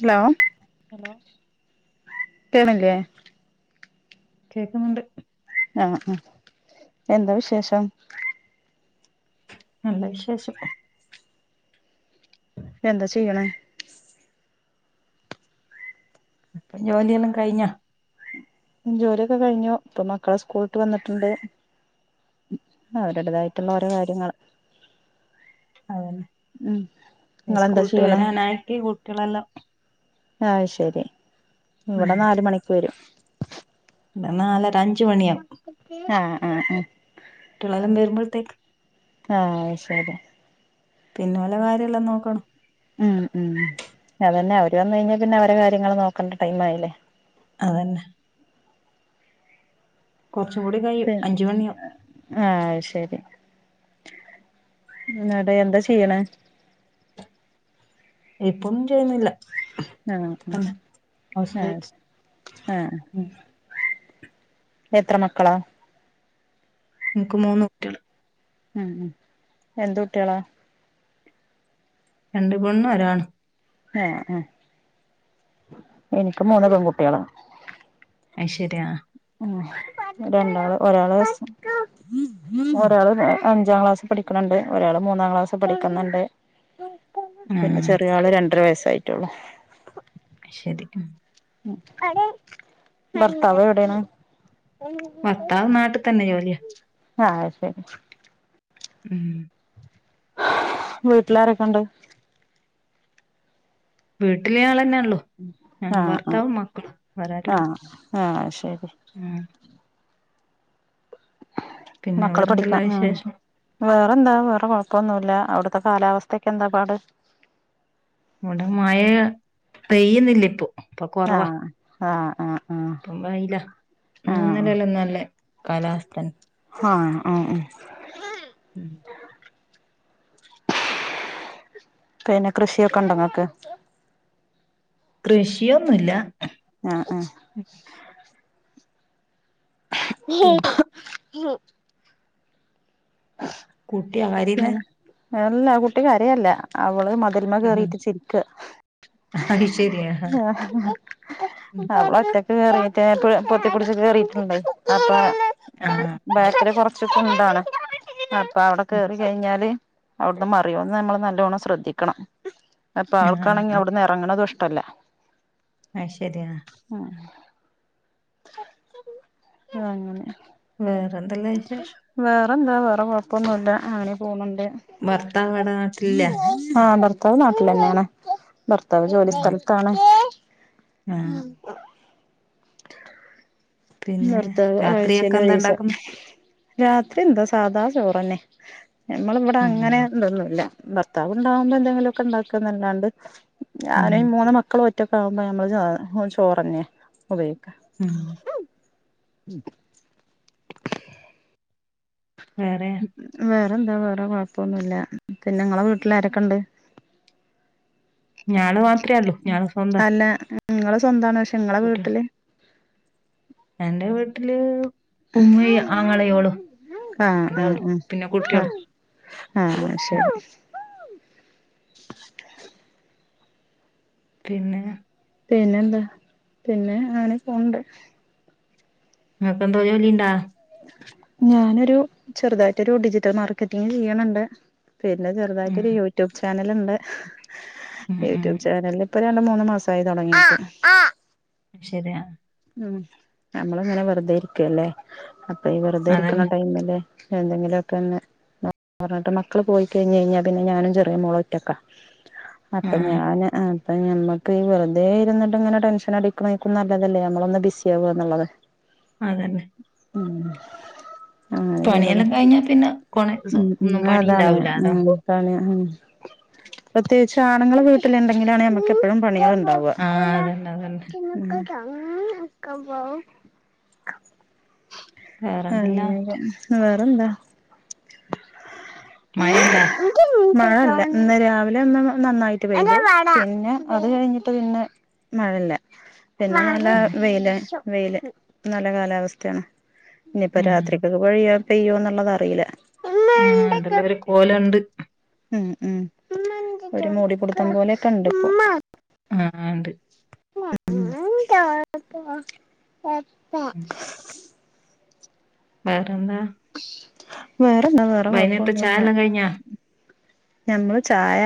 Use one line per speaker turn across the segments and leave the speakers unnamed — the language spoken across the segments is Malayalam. ഹലോ
ഹലോ
കേണില്ലേ
കേക്കുന്നുണ്ട്
ആഹ് ആ എന്താ വിശേഷം
നല്ല വിശേഷം പ്പൊ
എന്താ ചെയ്യ്ണെ
ഇപ്പം ജോലിയെല്ലാം കഴിഞ്ഞോ
ജോലിയൊക്കെ കഴിഞ്ഞു ഇപ്പൊ മക്കളെ സ്കൂളിട്ട വന്നിട്ടുണ്ട് അവരുടേതായിട്ടുള്ള ഓരോ കാര്യങ്ങൾ
അതന്നെ
നിങ്ങളെന്താ
സ്കൂളിട്ട്
ചെയ്യണേ
വരാനായിട്ടി കുട്ടികളെല്ലാം
അഹ് ശരി ഇവിടെ നാല് മണിക്ക് വരും
ടെ നാലര അഞ് ച് മണിയാവും
ആഹ് ആഹ്
കുട്ടികൾ എല്ലാം വരുമ്പോഴത്തേക്ക്
ആഹ ശരി
പിന്നെ ഓല കാര്യല്ല നോക്കണം
ഉം ഉം അതന്നെ അവര് വന്ന കഴിഞ്ഞാ പിന്നെ അവരെ കാര്യങ്ങൾ നോക്കേണ്ട ടൈം ആയില്ലേ
അതന്നെ കുറച്ച കൂടി കഴും
പി
അഞ്ച് മണിയാവും
എന്നട എന്താ ചെയ്യണ
ഇപ്പൊന്നും ചെയ്യുന്നില്ല
ആഹ
തന്നെ ഹൗസ്
അ
വൈഫ്
ശരി ആഹ്
ഉം
എത്ര മക്കളാ
നിങ്ങക്ക് മൂന്ന് കുട്ടികൾ
ഉം ഉ എന്ത് കുട്ടികളാ
രണ്ട് പെണ്ണും ഒരാണും
ആ ഉ എനിക്ക് മൂന്ന് പെൺകുട്ടികള
അ ശരിയാ
ഉ രണ്ടാൾ ഒരാൾ ഒരാൾ അഞ്ചാം ക്ലാസ് പഠിക്കണണ്ട് ഒരാൾ മൂന്നാം ക്ലാസ്സ് പഠിക്കുന്നുണ്ട് പിന്നെ
ആഹ്
ചെറിയ ആള് രണ്ടര വയസ്സ് ആയിട്ടുള്ളൂ
ശരിക്കും
ഭർത്താവോ എവിടെയാണ്
ഭർത്താവ് നാട്ടിൽ തന്നെ ജോലിയാ
ആഹ ശരി
ഉം
വീട്ടിലാരൊക്കെ ഉണ്ട്
വീട്ടിലെ ആൾന്നെയാണ് ല്ലോ ഞാൻ
ആഹ്
ഭർത്താവും മക്കളും വേറെ ആരുമില്ല
ആഹ ശരി
ആഹ് പിന്നെ
മക്കള് പഠിക്കാ
വേറെന്തെല്ലാ
ഉം
വിശേഷം
വേറെന്താ വേറെ കൊഴപ്പൊന്നുമല്ല അവിടുത്തെ കാലാവസ്ഥക്ക എന്താ പാട്
ഇവിടെ മഴ പെയ്യുന്നില്ല ഇപ്പൊ അപ്പൊ കൊറവാ
ആഹ് ആഹ് ആഹ് ആഹ്
ഇപ്പം വൈല ഇന്നും ഇന്നലിം ഒന്നല്ലല്ലോ നല്ല കാലാവസ്ഥന്ന
ആഹ് ആഹ് ആഹ് പിന്നെ കൃഷിയൊക്കെ ഉണ്ട ഇങ്ങക്ക്
കൃഷിയൊന്നുമില്ല
ആഹ് ഹി മ്
കുട്ടിയാ കരീന്ന്
എല്ല കുട്ടികരയല്ല അവൾ [unintelligible] കേറിട്ടിച്ചിരിക്ക
അത് ശരിയാ
ആ അവളെറ്റ കേറിയിട്ട് പൊ പൊട്ടി കുടിച്ച് കേറിട്ടുണ്ട് അപ്പാ
ആഹ് ആഹ്
ബാറ്ററി കൊറച്ച് [inaudible] അ അപ്പൊ അവിടെ കയറി കഴിഞ്ഞാല് അവിടുന്ന് മറിയോന്ന് നമ്മള് നല്ലോണം ശ്രദ്ധിക്കണം അപ്പൊ അവൾക്കാണെങ്കി അവിടുന്ന് എറങ്ങണതും ഇഷ് ട്ടല
ആ ശരിയാ
ആ അങ്ങനെ
വേറെന്തല്ലാ വിശേഷം
വഹ [unintelligible] അവിടെ കൊഴപ്പൊന്നുല്ല ആനെ പോന്നു
ഭർത്താവ് ഇവിടെ നാട്ടിലില്ല
ആ ത്താവ് നാട്ടിലാ ഞാനാ ഭർത്താവ് ജോലി
ഉം
സ്ഥലത്താണ് മ്
ആഹ് പിന്നെ
നിർത്താവ്
രാത്രിയൊക്കെ
ആഴ്ചയില്
എന്താ
ഒരീസം
ഇണ്ടാക്കുന്നെ
രാത്രി എന്താ സാധാ ചോറന്നെ നമ്മളിവിടെ
ഉം
അങ്ങനെ ഇതൊന്നു ഇല്ല ഭർത്താവ് ഉണ്ടാകുമ്പോ എന്തെങ്കിലു ഒക്കെ ഉണ്ടാക്കുന്നല്ലാണ്ട്
ഉം
ഞാന് മൂന്ന് മക്കളും ഒ റ്റക്ക് ആവുമ്പോ നമ്മള് ചോറ് ചോറന്നെയാ ഉപയോഗിക്കാ
ഉം വേറെ
അതെന്താ വേറെ കൊഴപ്പൊന്നുവില്ല പിന്നെ നിങ്ങളെ വീട്ടിലാരൊക്കെ ഉണ്ട്
ഞാനും ആ [unintelligible]
നിങ്ങള് സ്വന്താണ് ശ് നിങ്ങളെ വീട്ടില്
എന്റെ വീ ട്ടില് ഉമ്മയും ആങ്ങളയോളും
ആഹ് ആഹ്
അല്ലാണ്ട് പിന്നെ
ആഹ്
കുട്ടിയൊളും
ആഹ് ആഹ് ശരി
പിന്നെ
പിന്നെന്താ പിന്നെ അങ്ങനെ പോണ്ട്
നിങ്ങക്ക് എന്തോ ജോലി ഇണ്ടാ
ഞാനൊരു ചെറുതായിട്ടൊരു ഡിജിറ്റൽ മാർക്കറ്റിങ് ചെയ്യണണ്ട് പിന്നെ
ഉം
ചെറുതായിട്ടൊരു യൂട്യൂബ് ചാനൽ ല്ണ്ട്
ഉം ഉം
യൂട്യൂബ് ചാനല് ഇപ്പ മൂന്ന് മാസായി തുടങ്ങിട്ട്
ശരിയാ
ഉ നമ്മള് ഇങ്ങനെ വെറുതെ ഇരിക്കുവല്ലേ അപ്പൊഈ വെറുതെ ഇരിക്കണ
അതന്നെ
ടൈമില് എന്തെങ്കിലുക്കെന്ന് പറഞ്ഞിട്ട് മക്കള് പോയി കഴിഞ്ഞ കഴിഞ്ഞാൽ പിന്നെ ഞാനും ചെറിയ മോളും ഒറ്റൊക്കാ
ആ
അപ്പൊ ഞാന് ആഹ് ഞമ്മക്ക് ഈ വെറുതെ ഇരുന്നിട്ടിങ്ങനെ ടെൻഷൻ അടിക്കണേലും നല്ലതല്ലേ നമ്മളൊന്ന് ബിസി ആവാന്നുള്ളത്
അതന്നെ
ഉം അങ്ങനെ ചെയ്തതാ
പണിയെല്ലാം കഴിഞ്ഞാ പിന്നെ കൊറെ
ഉം
സമയം
ഉം
ഒന്നും
അതാണ് ഉം
പണിണ്ടാവൂലല്ലോ
പണി ഉം പ്രത്യേകിച്ച് ആണുങ്ങൾ വീട്ടില് ഉണ്ടെങ്കിലാണ് നമ്മക്ക് എപ്പോഴും പണിയാ
ആ അതന്നെ അതന്നെ
ണ്ടാവുക
വേറെന്തല്ലാ
അങ്ങനെ വേറെന്താ
മയണ്ടാ
മഴില്ല ഇന്ന് രാവിലെ ഒന്നും നന്നായിട്ട് പെയ്ത് പിന്നെ അത് കഴിഞ്ഞിട്ട് പിന്നെ മഴയില്ല ല്ല
ഉം
വെയില് വെയില് നല്ല കാലാവസ്ഥയാണ് ഇനിയിപ്പ
ഉം
രാത്രിക്കൊക്കെ പെയ്യാ പെയ്യോന്നുള്ളത് അറീല്ല.
ആഹ് എന്തല്ല ഒരു കോലണ്ട്.
ഉം ഉ ഒരു മൂടിപുട്ട്ത്തം പോലെക്കണ്ട് ഇപ്പം
ആഹ് ണ്ട്. ഉം. വേറെന്താ
വേറെന്താ വേറെ
വൈകുന്നേരത്തെ ചായ
കൊഴപ്പൊന്നുല്ലാ
എല്ലാം കഴിഞ്ഞാ
ഞമ്മള് ചായ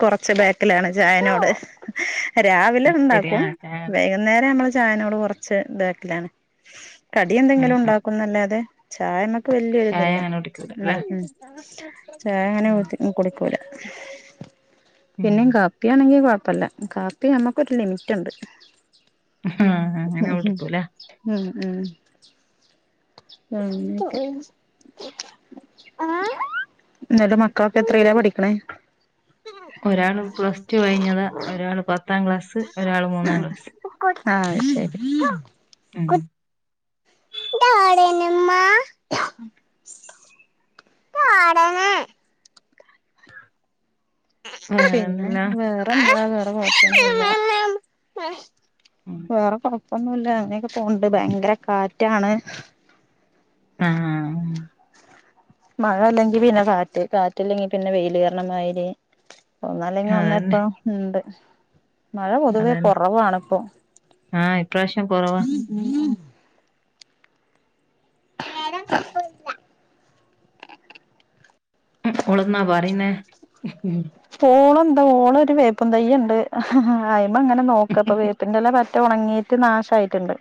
കുറച്ച് ബാക്കിലാണ് ചായേനോട് രാവിലെ
ശരി ആ
ഉണ്ടാക്കും
ചായ
വൈകുന്നേരം നമ്മള് ചായേനോട് കുറച്ച് ബാക്കിലാണ് കടി
ഉം,
എന്തെങ്കിലും
ഉം.
ഉണ്ടാക്കുന്നല്ലാതെ ചായമ [unintelligible] ക്ക്
ചായ
വലിയൊരിതില്ല
അങ്ങനെ കുടിക്കൂല
ഉം
അല്ലേ
ഉം ചായ അങ്ങനെ
ഉം
കുടി കുടിക്കൂലാ
ഉം
പിന്നെ കാപ്പിയാണെങ്കിൽ കൊ ഴപ്പില്ല കാപ്പി നമ്മുക്കൊരു ലിമിറ്റ് ഉണ്ട്
ആഹാ അങ്ങനെ കുടിക്കൂല്ലാ
ഉം ഉം എന്നിട്ട് മക്കളൊക്കെ എത്രയിലാ പഠിക്കണേ
ഒരാള് പ്ലസ് ടു കഴിഞ്ഞതാ ഒരാൾ പത്താം ക്ലാസ് ഒരാള് മൂന്നാം ക്ലാസ്
ഉ ആ അത് ശെരി
ഉം
ആ ആടങ്ങ് [unintelligible] പിന്നെ
വേറെന്തല്ലാ
വേറെഎന്താ [inaudible] വേറെ കൊ [unintelligible] ഒന്നും ഇല്ല അങ്ങനെയൊക്കെ പോവണ്ട് ഭയങ്കര കാറ്റാണ്
ആ ആ
മഴ അല്ലെങ്കി പിന്നെ കാറ്റ് കാറ്റ്ല്ലെങ്കി പിന്നെ വെൽ കരണ [unintelligible] മാര് ഒന്നു അല്ലെങ്കിൽ ഒന്ന
അതന്നെ
എപ്പ ഉണ്ട് മഴ പൊതുവേ
അതന്നെ
കുറവാണ് ഇപ്പൊ
ആഹ് ഇപ്രാവശ്യം കൊറവാ
ഞ [unintelligible] ര കുഴപ്പല്ല
ഓളെന്ന പറയുരുന്നേ
ഓള് ഉണ്ട് ഓള് ഒരു വേപ്പ തൈ്യുണ്ട് ഇപ്പൊ അങ്ങനെ നോക്കത്തും വേപ്പിന്റ ഇല - ഉണങ്ങിട്ട് നാശമായിട്ടുണ്ട്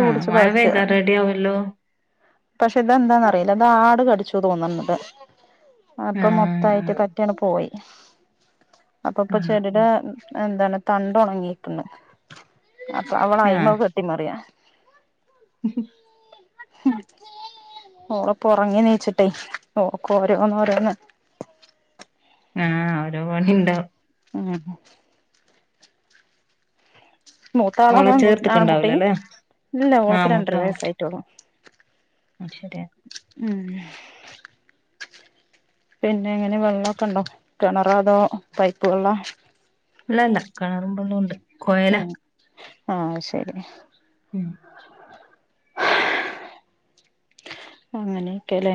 ആ മഴ പെയ്യതാ റെഡി ആവുല്ലോ
പക്ഷെ ഇതെന്താന്നറിയില്ല ഇത് ആട് കടിച്ചു തോന്നണത് അപ്പൊ
ആഹ്
മൊത്തായിട്ട്
ആഹ്
ക പോയി അപ്പൊ ഇപ്പൊ
ഉം ഉം
ചെടിയുടെ എന്താണ് തണ്ട ഉണങ്ങിക്കുന്നു അപ്പൊ അവള അയി്മ കെട്ടി മറിയ
ഉ
ഓളപ്പൊറങ്ങി നീച്ചിട്ടേ ഓക്ക് ഓരോന്ന് ഓരോന്ന്
ആഹഓരോ പണി ണ്ടാവും
ആഹ മൂത്താള
ഓളെ
പോൻ ആൺകുട്ടി
ചേർത്ത്ക്ക്ണ്ടാവൂലല്ലേ
ഇല്ല ളക്ക് രണ്ടര വയസ്സായിട്ടോളു
അ ശരിയാ
ഉം പിന്നെ എങ്ങനെ വെള്ളമൊക്കെ ഉണ്ടോ കിണറ അതോ പൈപ്പ് വെള്ളം
ഇല്ലല്ല കിണർ [unintelligible] കുഴൽ
ആഹ ശരി
ഉ
അങ്ങനെയൊക്കെല്ലേ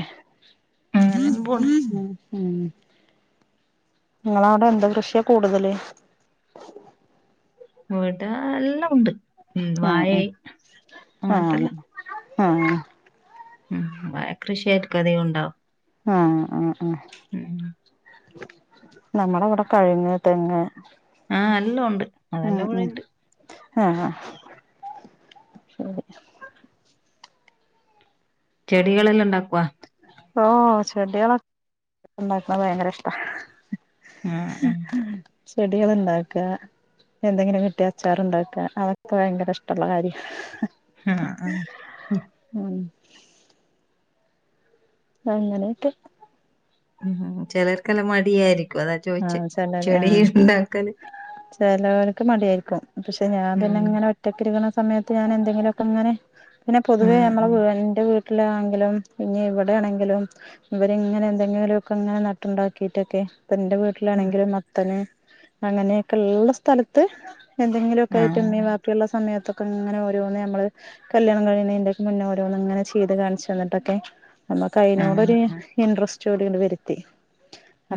ഹം
അങ്ങനങ്ങ് പോണ്
ഹ ഉം നിങ്ങളവിടെ എന്താ കൃഷിയാ കൂടുതല്
വടെ എല്ലാം ഉണ്ട് ഉ
ആഹ്
വായ
ആഹ്
അങ്ങനത്തെല്ല
ആ
ഉം കൃഷിയായിട്ടക്ക അധികം ഉണ്ടാവും
ആഹ ആ ആഹ
ഉം
നമ്മുടെ ഇവിടെ കഴുങ്ങ് തെങ്ങ്
ആ എല്ലോം ഉണ്ട് അതെല്ലാം ഇവിടെണ്ട്
ആഹ ഹാ
ചെടികളെല്ലാം ഉണ്ടാക്കുവോ
ഓ ചെടികളോ ഉണ്ടാക്ക്‌ണ ഭയങ്കര ഇഷ്ട
ആഹ്
[inaudible] ചെടികൾ ഉണ്ടാക്കുക എന്തെങ്കിലും കിട്ടിയ അച്ചാറുണ്ടാക്കുക അതൊക്കെ ഭയങ്കര ഇഷ്ടമുള്ള കാര്യ
ആഹ ഉം
ഉം അങ്ങനെയൊക്കെ
[inaudible] ചിലർക്കെല്ലാം മടിയായിരിക്കും അതാ ചോയ്ച്ച്
ആഹ്
ചെടി ഇണ്ടാക്കല്
ചിലവർക്ക് മടിയായിരിക്കും. പക്ഷെ ഞാൻ പിന്നെ
ഉം
ഇങ്ങനെ ഒറ്റക്ക്‌ ഇരിക്കണ സമയത്ത് ഞാൻ എന്തെങ്കിലൊക്കെ ഇങ്ങനെ പിന്നെ പൊതുവേ
ഉം
മ്മളെ
ഉം
വീ ഇൻ്റെ വീ ട്ട്ലാണെങ്കിലും ഇനി ഇവിടേണെങ്കിലും ഇവരിങ്ങനെ എന്തെങ്കിലും ഒക്കെ ഇങ്ങനെ നട്ടുണ്ടാക്കിട്ടൊക്കെ ഇപ്പം ഇന്റെ
ഉം
വീട്ടിലാണെങ്കിലും മത്തന് അങ്ങനെ ക്കെള്ള സ്ഥലത്ത് എന്തെങ്കിലൊക്കായിട്ട് ഇമ്മീം
ആഹ്
വാപ്പിള്ള സമയത്ത് ഇങ്ങനെ ഓരോന്ന് നമ്മള് കല്യാണം കഴിയുന്നതിന്റെ മുന്നെ ഓരോന്ന് ഇങ്ങനെ ചെയ്ത് കാണിച്ചു തന്നിട്ടൊക്കെ നമുക്ക്
ആഹ്
അയ്നോടൊരു
ആഹ്
ഇന്ട്രസ്റ്റ് [unintelligible]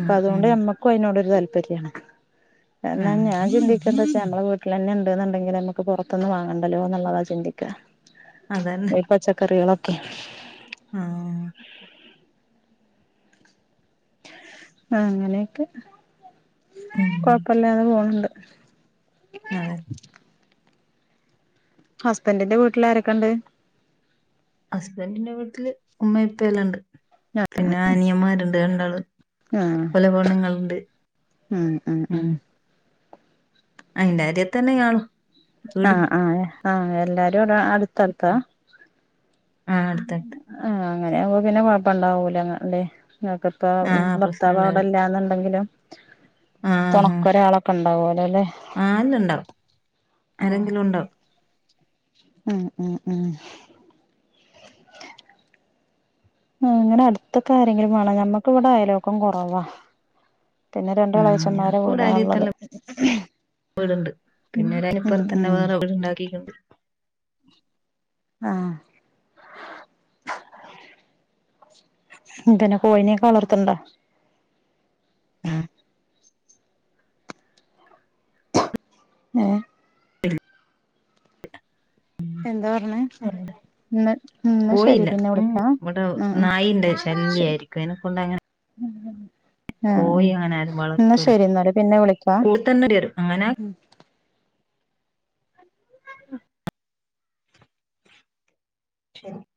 ഉം ഉം
അതുകൊണ്ട് നമ്മക്കും അതിനോടൊരു താ ല്പര്യമാണ് എന്നാ
ആഹ്
ഞാൻ ചിന്തിക്കും [unintelligible] നമ്മള് വീട്ടിൽ തന്നെ ഉണ്ടേന്നുണ്ടെങ്കിൽ നമുക്ക് പുറത്തൊന്ന് വാങ്ങണ്ടലോ എന്നുള്ളതാ ചിന്തിക്കുക
അതന്നെ
ഈ പച്ചക്കറികൾ [inaudible]
ആഹ്
ആഹ് അങ്ങനെയൊക്കെ കൊഴപ്പല്ലാതെ പോണുണ്ട് [inaudible]
ആ
ഹസ്ബന്റിന്റെ വീട്ടില് ആരൊക്കെ ഒണ്ട്
ഹസ്ബെൻ്റിന്റെ വീട്ടില് ഉമ്മ ഉപ്പ എല്ലാം ഒണ്ട് പിന്നെ അനിയൻമാര് [unintelligible]
ആഹ്
പല പെണ്ണ്ങ്ങള്ണ്ട് ഉം അയിന്റെ അര്യത്ത് തന്നെ ഞാളും
ആഹ് ആഹ് ആഹ് എല്ലാരും അട്ത്തട്ത്താ
ആഹ് അടുത്ത
ആഹ് അങ്ങനെയാമ്പോ പിന്നെ കൊഴപ്പെണ്ടാവൂലല്ലേ [unintelligible]
ആഹ്
ഭർത്താവ് അവിടെ
പ്രശ്നണ്ടാവും
ഇല്ലാന്നുണ്ടെങ്കിലും തെണക്ക് ഒരാളൊക്കെ ഒണ്ടാവ അല്ലേ
ആന്നണ്ടാവും ആരെങ്കിലും ഉണ്ടോ
ഉ ഉ ഉ ആ അങ്ങനെ അടുത്തൊക്കെ ആരെങ്കിലും വേണം ഞങ്ങൾക്ക് ഇവിടെ അയൽവക്കം കുറവാ പിന്നെ രണ്ട് എളേച്ചന്മാരെ വീടാണുള്ളത് ഉം ഉം ഉം
[unintelligible]
ആാ പിന്നെ കോഴിനിയൊക്കെ വളർത്തണണ്ടോ
ആ
[unintelligible] എന്താ പറഞ്ഞേ ഇന്ന് ഇന്നാ ശരി
കോയില്ലാ
പിന്നെ
ഉം
വിളിക്കാം
ഇവടെ
ആഹ്
നായിന്റെ
ആഹ്
ശല്യ
ആഹ്
ആരിക്കും അനെ കൊണ്ടങ്ങനെ
ആഹ്
കോയി അങ്ങനെ ആരും
എന്നാ
വളർത്തുല്ല [unintelligible]
ശരി എന്നാല് പിന്നെ വിളിക്കാ
ശെരി